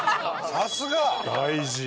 さすが。